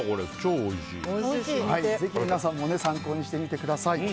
ぜひ、皆さんも参考にしてみてください。